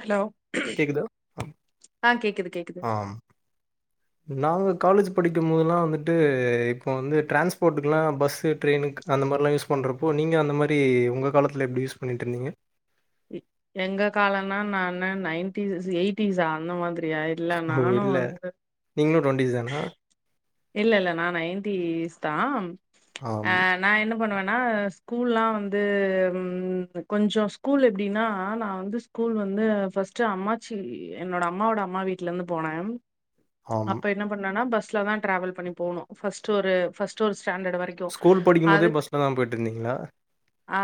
Hello கேக்குதா ஆ கேக்குது கேக்குது ஆ நாங்க காலேஜ் படிக்கும்போதுலா வந்துட்டு இப்போது வந்து ட்ரான்ஸ்போர்ட்டுக்குலா பஸ்ஸு ட்ரெயினுக்கு அந்த மாரிலா யூஸ் பண்ணுறப்போ நீங்க அந்த மாரி உங்க காலத்துல எப்டி யூஸ் பண்ணிட்டுருந்தீங்க எங்க காலனா நான் நயன்டீஸ் எயிட்டிஸா அந்த மாதிரி சரியா இல்ல நானு வந்து டுவெண்ட்டிஸ் தானா இல்ல இல்ல நா நைன்டிஸ் தா அ ஆம் நா என்ன பண்ணுவ னா ஸ்கூல்லா வந்து கொஞ்ச ஸ்கூல் எப்படின்னா நா வந்து ஸ்கூல் வந்து ஃபர்ஸ்ட் அம்மாச்சி என்னோட அம்மாவோட அம்மா வீட்டுல இருந்து போனே ஆம் அப்ப என்ன பண்ணனா பஸ் லதா டிராவல் பன்னி போனு ஃபர்ஸ்ட் ஒரு ஃபர்ஸ்ட் ஒரு ஸ்டாண்டர்ட் வரைக்கு ஸ்கூல் படிக்கு அதுக் போதே பஸ்லதா போயிட்டு இருந்தீங்களா ஆ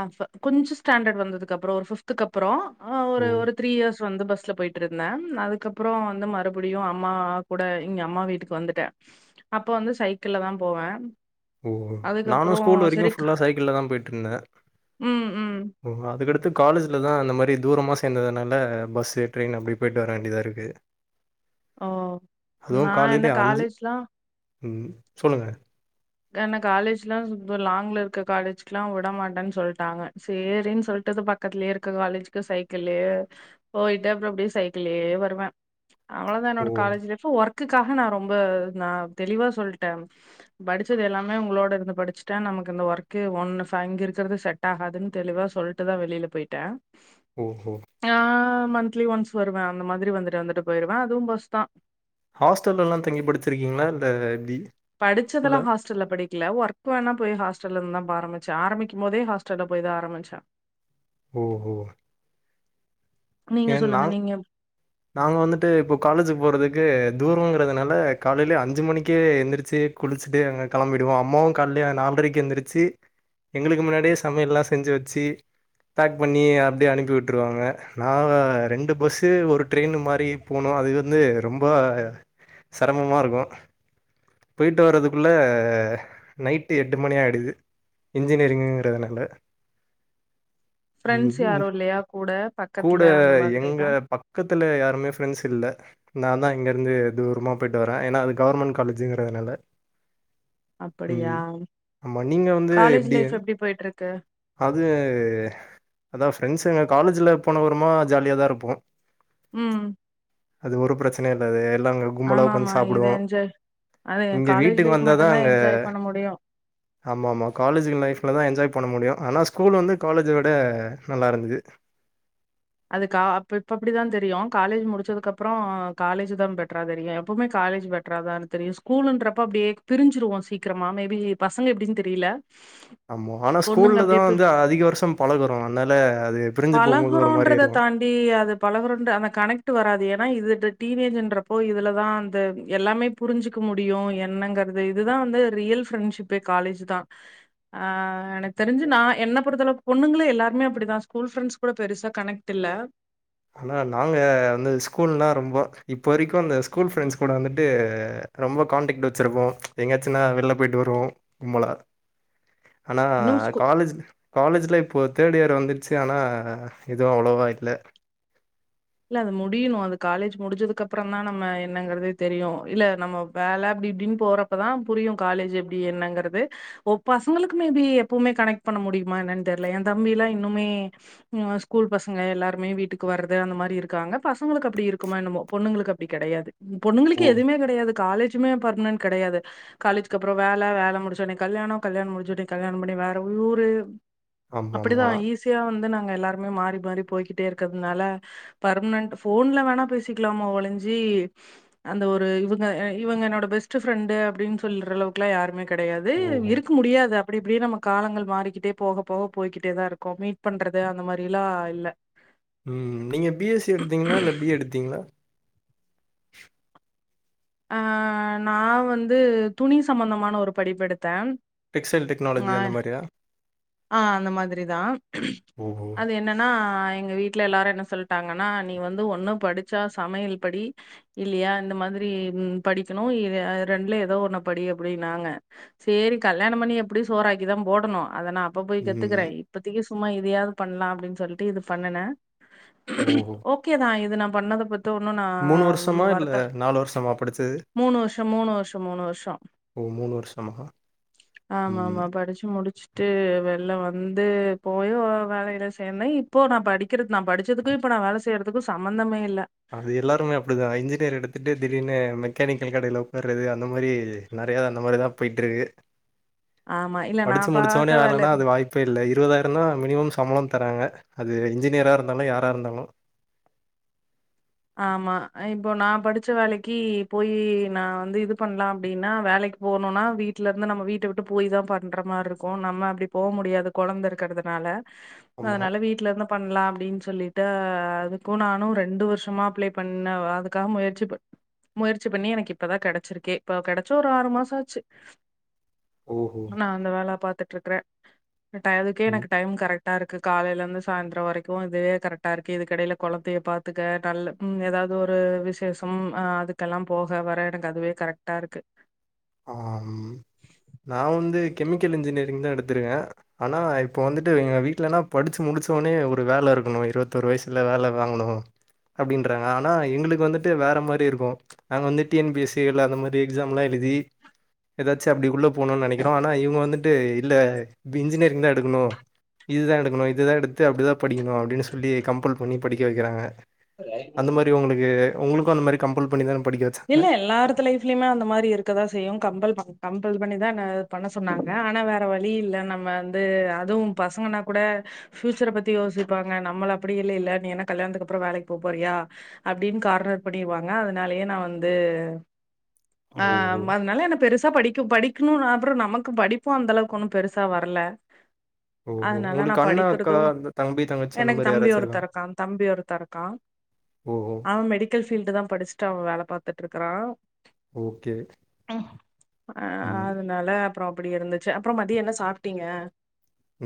கொஞ்ச ஸ்டாண்டர்ட் வந்ததுக்கு அப்புறோ ஒரு பபிப்துக்கு அப்புறோ ஆ ஓ ஒரு த்ரீ இயர்ஸ் வந்து பஸ் பஸ் லா போய்ட்டு இருந்தே அதுக்கப்பறம் வந்து மறுபடியு அம்மா கூட இங்க அம்மா வீட்டுக்கு வந்துட்டே அப்போ வந்து சைக்கிள் தா போவே ஓ நானு அதுக்கப்புறோ ஸ்கூல் வரைக்கு சரி க- ஃபுல்லா சைக்கிள் தா போயிட்டு இருந்த ம் ம் ஓ அதுக்கடுத்து காலேஜில தா அந்த மாதிரி தூரமாக சேர்ந்ததுனால பஸ் ட்ரெயின் அப்படி போயிட்டு வர வேண்டியதாக இருக்கு ஓ அதுவு நா என்ன காலையில அஞ்சு காலேஜ்லா ம் சொல்லுங்க. கன காலேஜ் எல்லா லாங் இருக்க காலேஜ்க்கு எல்லா விடமாட்டேன்னு சொல்லிட்டாங்க சரின்னு சொல்லிட்டு பக்கத்துலயே இருக்க காலேஜ்க்கு சைக்கிளயே போயட்டு அப்புறம் அப்படியே சைக்கிளயே வருவே அவள தா ஓ என்னோட காலேஜ் லைப் ஒர்க க்காக நா ரொம்ப நா தெளிவா சொல்லிட்ட படிச்சது எல்லாமே உங்களோட இருந்து படிச்சட்ட நமக்கு இந்த ஒர்க்கு ஒன்னு ஃபங் இருக்கிறது செட் ஆகாதுன்னு தெளிவா சொல்லிட்டு தா வெளில்ல போய்ட்ட ஓஹோ ஆ மன்த்லி ஒன்ஸ் வருவே அந்த மாதிரி வந்துட்டு வந்துட்டு போயிருவா அதுவு பஸ் தா ஹாஸ்டல்ல எல்லா தங்கி படிச்சிருக்கீங்களா இல்ல எப்படி படிச்சதெல்லா ஹாஸ்டல்ல படிக் இல்ல ஒர்க் வேணா போய் ஹா்டல்ல இருந்து தா ஆரம்பிச்ச ஆரம்பிக்கு போதே ஹாஸ்டல்ல போய் தா ஆரம்பிச்ச ஓ ஒ நீங்க ஏன் நா சொல்லுங்க நீங்க நாங்க வந்துட்டு இப்போ காலேஜ் போறதுக்கு தூரங்கிறதுனால காலையில அஞ்சு மணிக்கே எந்திரச்சி குளிச்சுட்டு அங்க கிளம்பிடுவோ அம்மாவும் காலைலே நாலரைக்கு எழுந்திரிச்சு எங்களுக்கு முன்னாடியே சமைய ல்லா செஞ்சு வச்சு பேக் பண்ணி அப்படியே அனுப்பி விட்டுருவாங்க நா ரெண்டு பஸ்ஸ ஒரு ட்ரெயின் மாரி பொன்னு அது வந்து ரொம்ப சிரமா இருக்கு போயிட்டு வரதுக்குள்ள நைட்டு எட்டு மணி ஆயிடுது இன்ஜினியரிங்கிறதுனால ப்ரெண்ட்ஸ் யாரு இல்லையா கூட பக் கூட எங்க பக்கத் தத்துல யாருமே ஃப்ரெண்ட்ஸ் இல்ல நா தா இங்க இருந்து தூரமா போயிட்டு வரே ஏன்னா அது கவர்மெண்ட் காலேஜுங்கிறதுனால அப்படியா ம். ஆமா. நீங்க வந்து காலேஜ் எப்டி? லைஃப் எப்படி போயட்டு இருக் க்கு அது அதாவ ஃப்ரெண்ட்ஸ் எங்க காலேஜ்ல போன விறமா ஜாலியாதான் இருப்போம் ம். அது ஒரு பிரச்சனை இல்லது அங்க கும்பல ஆமா உட்கந்து ஆமா இத சாப்பிடுவோம் என்ஜா அது இங்க காலேஜ் வீட்டுக்கு லைஃப் வந்த தான் மட்டுந்தா அங்க என்ஜாய் பண்ண முடியு ஆமா ஆ காலேஜு லைப்ல தான் என்ஜாய் பண்ண முடியும். ஆனா ஸ்கூல் வந்து காலேஜ் விட நல்லா இருந்துது அதுக்க அ இப்ப அப்படிதான் தெரியும் காலேஜ் முடிச்சதுக்கு அப்புறம் காலேஜ் தான் பெட்டரா தெரியும் எப்பவுமே காலேஜ் பெடரா தான்னு தெரியும் ஸ்கூலன்றப்ப அப்படியே பிரிஞ்சுருவோம் சீக்கிரமா மேபி பசங்க எப்படின்னு தெரியல ஆம ஆனா பொண்ணுங்க அப்படியே ஸ்கூல்லதான் பிரி வந்து அதிக வருஷம் பழகுறோம் அதனால அது பிரிஞ்சு போகும்போது ஒரு மாரி பழகுகின்றத இருக்கும். தாண்டி பழகுறோ அந்த கணக்ட் வராது ஏன்னா இதுட்ட டீன் ஏஜ் என்றப்ப இதுலதான் அந்த எல்லாமே புரிஞ்சுக்க முடியும் என்னங்கிறது இதுதான் வந்து ரியல் ப்ரெண்ட்ஷிப் காலேஜ் தான் ஆஹ் எனக்கு தெரிஞ்சு நான் என்ன பொறளவுக்கு பொண்ணுங்களே எல்லாருமே அப்படிதான் ஸ்கூல் ஃப்ரெண்ட்ஸ் கூட பெருசா கனெக்ட் இல்ல ஆனா நாங்க வந்து ஸ்கூல்னா ரொம்ப இப்போ வரைக்கும் அந்த ஸ்கூல் ஃப்ரெண்ட்ஸ் கூட வந்துட்டு ரொம்ப கான்டெக்ட் வச்சிருப்போம் எங்காச்சுன்னா வெளில போயிட்டு வருவோம் கும்பலா ஆனா இன்னு ஸ்கூ காலேஜ் காலேஜ்ல இப்போ தேர்ட் இயர் வந்துடுச்சு ஆனால் எதுவும் அவ்வளோவா இல்லை இல்ல அது முடியணும் அது காலேஜ் முடிச்சதுக்கு அப்புறம் தான் நம்ம என்னங்கறதே தெரியும் இல்ல நம்ம வேலை அப்படி இப்படின்னு போறப்பதான் புரியும் காலேஜ் எப்படி என்னங்கறிறது ஒ பசங்களுக்குமே பி எப்பவுமே கனெக்ட் பண்ண முடியுமா என்னன்னு தெரியல என் தம்பிலாம் இன்னமே ஸ்கூல் பசங்க எல்லாருமே வீட்டுக்கு வராது அந்த மாதிரி இருக்காங்க பசங்களுக்கு அப்படி இருக்குமா என்னமோ பொண்ணுங்களுக்கு அப்படி கிடையாது ஓ! பொண்ணுங்களுக்கு எதுவுமே கிடையாது காலேஜ் ஜ்மே பர்மனன்ட் கிடையாது காலேஜ்க்கு அப்புறம் வேலை முடிச்ச உடனே கல்யாணம் கல்யாணம் முடிச்சோடே கல்யாணம் பண்ணி வேற ஊரு ஆமாமா. அப்படிதான் ஈஸியா வந்து ந எல்லாருமே மாறி மாறி போய்கிட்டே இருக்கிறதுனால பர்ம்னன்ட் போன்ல வேணா பேசிக்கலாமா ஒலிஞ்சி அந்த ஒரு இவுங்க இவுங்க என்னோட பெஸ்ட் ஃப்ரெண்டு் அப்படின் சொல்ற அளவுக்கெல்லா யாருமே கெடையாது ஓஹோ! இருக் முடியாது அ அப்டி இப்டியே நம்ம காலங்கள் மாறிக்கிட்டே போக போக போய்கிட்டே தா இருக்கொ மீட் பண்றது அந்த மாரிலா இல்ல ம் நீங்க பிஎஸ்சி எடுத்தீங்னா இல்ல பி எடுத்தீங்ளா அஹ் நா வந்து துணி சம்பந்தமான ஒரு படிப்பு எடுத்தே பிக்ஸெல் டெக்னாலஜி அந்த மாரியா ஆஹ் அந்த மாதிரி தா ஓஹோ! அது என்னன்னா எங்க வீட்ல எல்லாரு‌ என்ன சொல்ட்டாங்கன்னா நீ வந்து ஒண்ணு படிச்சா சமையல் படி இல்லியா இந்த மாதிரி படிக்ணு இ ரெண்டுல ஏதோ ஒண்ணு படி அப்படினாங்க ஸேரி கல்யாணொ பண்ணி எப்டியு சோறாக்கி தா போடணு அதனா அப்ப போய் கத்துக்குறெ ம். இப்பத்திக் சும்மா எதையாவது பண்லா அப்டின் சொல்லிட்டு இது பண்ணுனே ஓஹோ! ஓகே தா இது நம் பண்ணத பத் ஒன்னு நா வருஷமா? இல்ல வருத்த வருஷமா படிச்சது? மூணு வருஷ மூணு வருஷ மூணு வருஷ ஓ! வருஷமா? ஆமா ம். ஆமா படிச்சு முடிச்சு [unintelligible] வெள்ல வந்து போயி வேலெய்ல ஸேந்தே இப்போ நா படிக்கிற நா படிச்சதுக்கு இப்ப நா வேலை செய்றதுக்கு சம்பந்தமே இல்ல அது எல்லாருமே அப்டிதா இன்ஜினியர் எடுத் துட்டு திடீர்னு மெக்கானிக்கல் கடையில உக்காறது அந்த மாரி நெறையா அந்த மாரிதா பொயிட்டு ருக்கு ஆமா. இல்ல படிச்சு நான் பார்த்த முடிச்சோனே வேலை வேலென்னா அது வாய்ப்பே இல்லை இருவதாயிரந்தா மினிமம் சம்பளொ தராங்க அது இன்ஜினியரா இருந்தாலு யாரா இருந்தாலு ஆமா இப்போ நா படிச்ச வேலைக்கு போய் நா வந்து இது பண்லா அப்டின்னா வேலைக்கு போனுனா வீட்டுல இருந்து நம்ம வீட்ட விட்டு போய் தா பண்ற மாருக்கு நம்ம அப்படி போக முடியாது கொழந்த இருக்கறதுனால ஆமா. அதனால வீட்ல இருந்து பண்லா அப்டின் சொல்லிட்டு அதுக்கு நானு ரண்டு வர்ஷ் ஷமா அப்ளெ பண்ண அதுக்காக முயற்சி ப முயற்சி பண்ணி எனக்கு இப்பதா கெடைச்சிருக்கே இப்ப கெடைச்சு ஒரு ஆறு மாசொ ஆச்சு ஓஹோ! ஆனா அந்த வேல பாத் த்ட்ருக்குற பட் அதுக்கே ம். எனக்கு டைம் கரெக்ட் டாருக்கு காலையில இருந்து சாய்ந்தரொ வரைக்கு இதுவே கரெக்டா இருக்கு இதுக்கெடையில கொழந்தைய பாத்துக்க டல்ல ம் எதாவது ஒரு விசேஷம் அ அதுக்கெல்லா போக வர எனக்கு அதுவே கரெக்ட்டா ருக்கு நா வந்து கெமிக்கல் இன்ஜினியரிங் தா எடுத்திருக்க ஆனா இப்போ வந்துட்டு எங்க வீட்லனா படிச்சு முடிச்சோனே ஒரு வேல இருக்கணு இருவத்தொரு வயசுல வேல வாங்கணு அப்டின்றாங்க ஆனா எங்ளுக்கு வந்துட்டு வேற மாரி இருக்கு நாங்க வந்து T N P S C இல்ல அந்த மாதி எக்ஸாம்லா எழுதி எதாச்சு அப்டி உள்ள போணுன் நெனைக்கிறோ ஆனா இவ்ங்க வந்துட் ட்டு இல்ல இப்ப இன்ஜினியரிங்தா எடுக்கணு இதுதா எடுக்கணு இதுதா எடுத்து அப்டிதா படிக்கணு அப்டின்னு சொல்லி கம்பல் பண்ணி படிக்க வெக்கிறாங்க அந்த மாரி உங்ளுக்கு உங்களுக்கு அந்த மாரி கம்பல் பண் இல்ல எல்லார்த்து லைஃப்லயுமே அந்த மாரி இருக்கதா செய்யு கம்பல் ப கம்பல் பண்ணிதா நா பண்ண சொன்னாங்க ஆனா வேற வழி இல்ல நம்ம வந்து அதுவு பசங்கன்னா கூட ஃப்யூச்சர பத்தி யோசிப்பாங்க நம்மள அப்டி இல்லைல்ல நீ என்ன கல்யாணத்துக்கு அப்புறோ வேலைக்கு போப் போறியா அப்டின்னு கார்னர் பண்ணிருவாங்க அதனாலயே நா வந் ந்து ஆ ஓஹோ ம அதனால என்ன பெருச தா படிக் படிக்கணுன் அப்பறோ நமக்கு படிப்பு அந்தளவுக்கு ஒண்ணு பெருசா வரல ஓஹோ அதனால நா உங்களுக்கு அண்ணா அக்கா படிக்கொறது அந்த தம்பி தங்கச்சி அந்த எனக்கு மாரி தம்பி யாராச்சு ஒருத்த இருக்கா தம்பி ஒருத்த இருக்கா ஓஹோ அவ மெடிக்கல் ஃபீல்டுதா படிச்சுட்டு அவ வேல பாத் த்துட்டு இருக்கறா ஓகே அ ம் அதனால அப்றோ அப்டி இருந்துச்சு அப்றோ மதியோ என்ன சாப்பிட்டீங்க?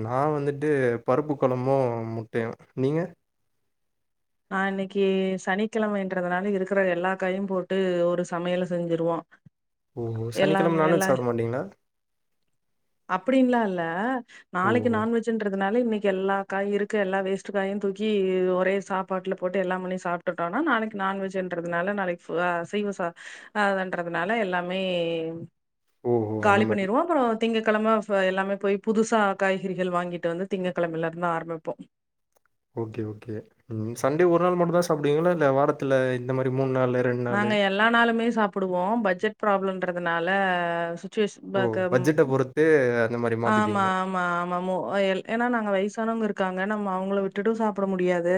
நா வந்துட்டு பருப்பு கொழம்பு முட்டையு நீங்க நா இன்னைக்கி சனிக்கெழமன்றதுனால இருக்கற எல்லா காயையு போட்டு ஒரு சமையல செஞ்சிருவோ ஓஹோ எல்லாம் சனிக்கிழம நான்வெஜ் எல்லா சாப்ட மாட்டீங்களா அப்டின்ல்லா இல்ல நாளைக்கு ஓஹோ நான்வெஜ்ன்ற அதனால இன்னைக்கி எல்லா காய் இருக்கு எல்லா வேஸ்ட் காயு தூக்கி ஒரே சாப் பாட்டுல போட்டு எல்லாம் பண்ணி சாப்பிட்டுட்டோனா நாளைக்கி நான்வெஜ்ன்றதுனால நாளைக்கி ஃபுலா அசைவ சா அதன்றதுனால எல்லாமே ஓஹோ அந்த காலி மாரி பண்ணிருவோ அப்புறோ திங்கக்கெழம ஃப எல்லாமே போயி புதுசா காய்கறிகள் வாங்கிட்டு வந்து திங்கக்கெழமல இருந்து ஆரம்பிப்போ ஓகே ஓகே ம் சண்டே ஒரு நாள் மட்டுந்தா சாப்பிடுவீங்களா இல்ல வாரத்துல இந்த மாரி மூண் நாங்க எல்லா நாளுமே சாப்பிடுவோ பட்ஜெட் ப்ராப்ளன்ற ன்றதுனால சுத் ஓ பட்ஜெட்ட பொறுத்தே ஆமா ஆமா ஆமா மோ எ ஏன்னா நாங்க வய்சானவங்க இருக்காங்க நம்மோ அவுங்கள விட்டுட்டு சாப்பிட முடியாது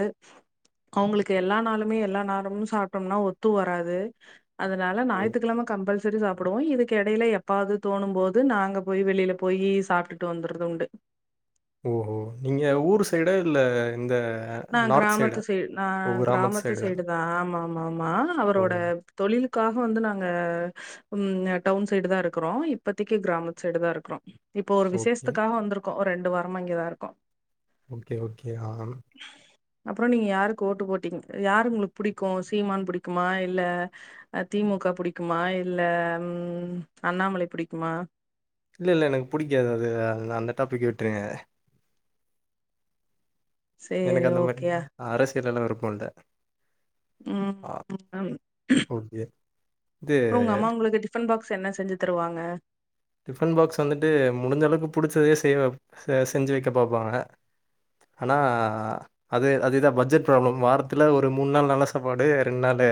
அவுங்களுக்கு எல்லா நாளுமே எல்லா நேரமு சாப்டோம்னா ஒத்து வராது அதனால ஓ! ஞாயத்துக்கிழம கம்பல் சரி சாப்பிடுவோ இதுக்கு எடையில எப்பாவது தோணும்போது நாங்க போய் வெளில போயி சாப்டுட்டு வந்துறது உண்டு ஓஹோ நீங்க ஊரு சைடா இல்ல இந்த நா நார்த் சைடா? கிராமத்து சை நா கிராமத்து சைடு தா ஆமா ஆமா ஆமா ஓ! அவரோட தொழிலு க்காக வந்து நாங்க ம் அ டவுன் சைடு தா இருக்குறோ இப்பத்திக்கு கிராமத் சைடு தா இருக்குறோ இப்போ ஒரு ஓகே. விசேஷ்த்துக்காக வந்துருக் கோ ரெண்டு வாரமா இங்கேதா இருக்கோ ஓகே ஓக் கே [unintelligible] அப்றோ நீங்க யாருக்கு ஓட்டு போட்டீங் யாரு உங்குளுக் புடிக்கு சீமான் புடிக்குமா இல்ல திமுக புடிக்குமா இல்ல ம் அண்ணாமலை புடிக்குமா இல்ல இல்ல எனக்கு புடிக்காது அது அந்த டாபிக் விட்ருங்க சேரி எனக்கு அந்த மாரி ஓகே [unintelligible] அர இதுலெல்லா விருப்போ இல்ல ம் ஆ ம் ம் ஓகே. இது ப்ரோ உங்க அம்மா உங்குளுக்கு டிஃபன் பாக் ஸ் என்ன செஞ்சு தருவாங்க டிஃபன் பாக்ஸ் வந்துட்டு முடிஞ்ச அளவுக்கு புடிச்சதே செய்வ ச செஞ்சு வெக்க பாப்பாங்க ஆனா அது அதுதா பட்ஜெட் ப்ராப்ளம் வாரத்துல ஒரு மூண் நாள் நல்ல சாப்பாடு ரெண்ட் நாளு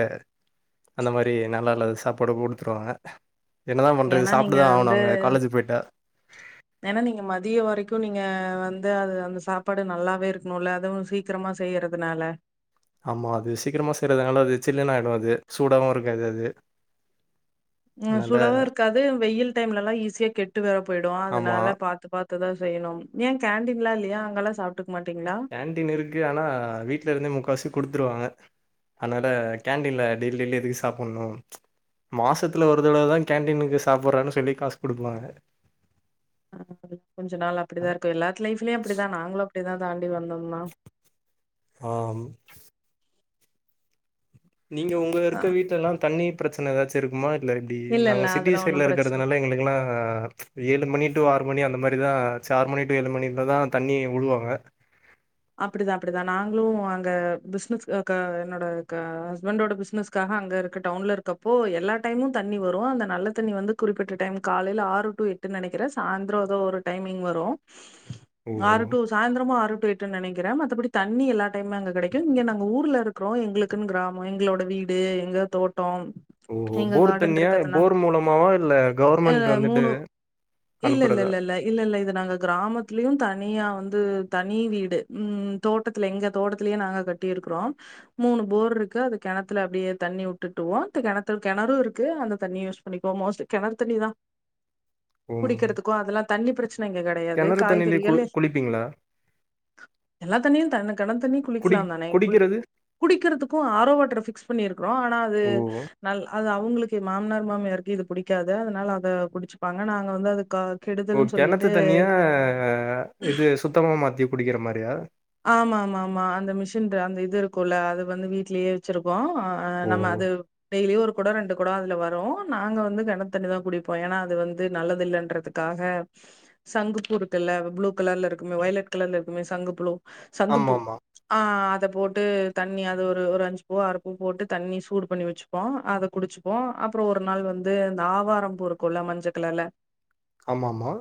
அந்த மாரி நல்லாலாத சாப்பாடு போட்டுத்தருவாங்க என்னதா பண்றது சாப்ட்டுதா ஆவணு அ அ ஏன்னா நீங்க மதியோ வரைக்கு நீ ங்க வந்து அது அந்த சாப்பாடு நல்லாவே இருக்குனோல அதுவு சீக்கிரமா செய்யறதுனால ஆமா அது சீக்கிரமா செய்றதுனால அது சில்லுனு ஆய்டு அது சூடாவு இருக்காது அது ம் அதனால சூடாவு இருக்காது வெயில் டைம்லெல்லா ஈஸியா கெட்டு வேற போயிடு ஆமா அதனால பாத்து பாத் து தா செய்யணும் ஏன் கேண்டீன்லா இல்லயா அங்கல்லா சாப்டுக் கேன்டீன் இருக்கு ஆனா வீட்ல இருந்தே முக்காசி குடுத் ருவாங்க அதனால கேண்டடீன்ல டெய்லி டெய்லி எதுக்கு சாப்புன்னோ ச்ச் மாசத்துல ஒரு தடவுதா கேண்டீனுக்கு சாப்புற்றன் சொல்லி காசு குடுக்குவாங்க அ [inaudible] கொஞ்ச நாள் அப்படிதா இருக்கு எல்லாத்து லைஃப்லயு அப்படிதா நாங்களு அப்படி தா தாண்டி வந்தோம்மா ஆம் நீங்க உங்க அ இருக்க வீட்லெல்லா தண்ணி ப்ரச்சுன எதச்சு இருக்குமா இல்ல எப்டி இல்ல இல்ல நாங்களா சிட்டி அதெல்லா சைட்ல ஒன்னு பிரச்சன இருக்குறதுனால எங்களுக்குல்லா ஏழு அடடன் பண்ணிட்டு ஆறு மணி அந்த மாரிதா ச்ச ஆறு மணி டு ஏழு மணிலதா தண்ணி உடுவாங்க அப்புடிதா அப்புடிதா நாங்களு அங்க ப்ஸ்னஸ் க என்னோட க ஹஸ்பண்டோட ப்ஸ்னஸ்காக அங்க இருக்க டவுன்ல இருக்கப்போ எல்லா டைமு தண்ணி வரு அந்த நல்ல தண்ணி வந்து குறிப்பிட்ட டைம் காலையில ஆறு டு எட்டு நெனக்கிறே சாய்ந்ரோ ஒரு டைமிங் வரு ஓஹோ ஆறு டூ சாய்ந்தரமு ஆறு ட்டு நெனக்கிறே மத்தபடி தண்ணி எல்லா டைம்மு அங்க கெடைக்கு இங்க நாங்க ஊர்ல இருக்குறோ எங்ளுக்குனு க்ராமோ எங்களோட வீடு எங்க தோட் டோ ஓஹோ எங்க போர் கார்டன் தண்ணியா இருக்கற்துனால போர் மூலமாவா இல்ல அ கவர்மெண்ட் வந்துட்டு மூணு இல்ல இல்ல அனுப்புறதா இல்ல இல்ல இல்ல இல்ல இது நாங்க கிராமத்துலயும் தனியா வந்து தனி வீட் ட்டு ம் தோட்டத்துல எங்க தோட்டத்துலெயே நாங்க கட்டி இருக்குறோம் மூணு ஃபோர் இருக்கு அது கெணத்துல அப்டியே தண்ணி விட்டுட்டுவோ கெணத்துல கெணரும் இருக்கு அந்த தண்ணி யூஸ் பண்ணிக்குவோ மோஸ்ட்லி கெணறு தண்ணிதா குடிக்கிறதுக்கும் அதெல்லா தண்ணி ப்ரச்ச கெணறு தண்ணில கு குளிப்பீங்ளா எல்லா தண்ணியுந் தான்ன கெணத்து தண்ணியு குளிக்கலாம் தான இங் குளிக் குடிக்கிறது குடிக்கிறதுக்கு ஆரோவாட்டர் பிக்ஸ் பண்ணி இருக்குறோ ஆனா அது ஓ நல் அது அவு உங்களுக்கு மாம்னார் மாமியருக்கு இது புடிக்காது அதனால அத குடிச்சுப்பாங்க நாங்க வந்து அது கா ஓ கெடுதல்னு சொல்லிட்டு கெணத்து தண்ணிய இது சுத்தமா மாத்தி குடிக்கிற மாரியா ஆமா ஆமா ஆமா அந்த மிஷின் அந்த இது இருக்குல்ல அது வந்து வீட்லயே வச்சுருக்கோ ஓ நம்ம அது டெய்லியு ஒரு கூட ரெண்டு கொடோ அதுல வரு நாங்க வந்து கெணத்து தண்ணி தா குடிப்போ ஏன்னா அது வந்து நல்லது இல்லன்றதுக்காக சங்கு பூ இருக்குல்ல ப்ளூ கலர்ல இருக்குமே ஒயிலட் கலர்ல இருக்குமே சங்கு ப்ளூ சங்குப்பூ ஆமாமா. ஆ ஆ அத போட்டு தண்ணி அது ஒரு ஒரு அஞ்சு பூ அறு பூ போட்டு தண்ணி சூடு பண்ணி வச்சுப்போ அத குடிச்சுப்போ அப்பறோ ஒரு நாள் வந்து இந்த ஆவாரம் பூ இருக்குல்ல மஞ்ச கலர்ல ஆமாம்மா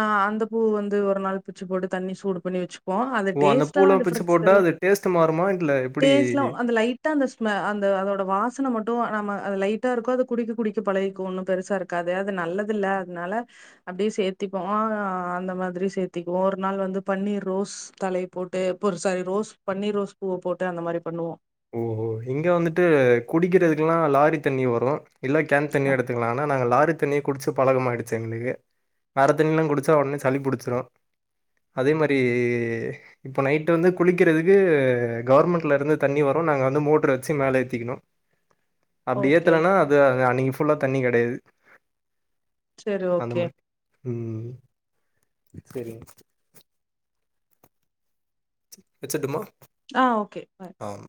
ஆ அந்த பூ வந்து ஒரு நாள் பிச்சி போட்டு தண்ணி சூடு பண்ணி வச்சுக் ஓ அந்த பூலாம் பிச்சு போட்டா அது டேஸ்ட் மாறுமா இல்ல எப்புடி ட்டா அந்த ஸ்மெ அந்த அதோட வாசன மட்டு நம்ம அ லைட்டா இருக்கூ அத குடிக்க குடிக்க பழகிக்கு ஒன்னும் பெருசா இருக்காது அது நல்லது இல்ல அதனால அப்டியே சேத்திப்போ அந்த மாதிரி சேத்திக்குவோ ஒரு நாள் வந்து பன்னீர் ரோஸ் தலை போட்டு [unintelligible] ரோஸ் பன்னீர் ரோஸ் பூவ போட்டு அந்த மாரி பண்ணுவோ ஓஹோ இங்க வந்துட்டு குடிக்கிறதுக்குல்லா லாரி தண்ணி வரு இல்ல கேன் தண்ணியா எடுத்துக்லா ஆனா நாங்க லாரி தண்ணிய குடிச்ச பழகம்மாயிடுச்சு எங்களுக்கு வேற தண்ணிலா குடிச்சா ஒடனே சளி புடிச்சுரு அதே மாரி இப்போ நைட் வந்து குளிக்கிறதுக்கு ஃகவர்மெண்ட்ல இருந்து தண்ணி வரு நாங்க வந்து மோட்டரு வச்சு மேல ஏத்திக்கணு அப்டி ஓகே ஏத்தலன்னா அது அன்னக்கி ஃபுல்லா தண்ணி கெடையாது செரி ஓகே ம் ம் செரிங் வச்சுர்ட்டுமா ஆ ஓகே பாய் ஆம்